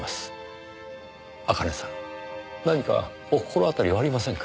茜さん何かお心当たりはありませんか？